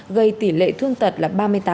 gây tỷ lệ thương tật là ba mươi tám